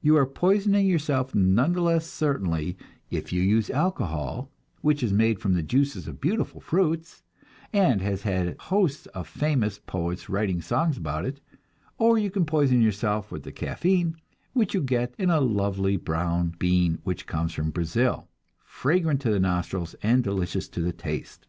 You are poisoning yourself none the less certainly if you use alcohol, which is made from the juices of beautiful fruits, and has had hosts of famous poets writing songs about it; or you can poison yourself with the caffein which you get in a lovely brown bean which comes from Brazil, fragrant to the nostrils and delicious to the taste.